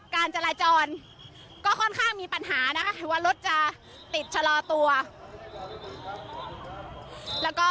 จากมวลชนทุกคนให้กลับเข้ามาอยู่ที่ตั้ง